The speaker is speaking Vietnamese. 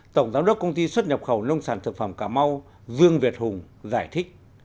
tổng giám đốc công ty xuất nhập khẩu nông sản thực phẩm cà mau dương việt hùng giải thích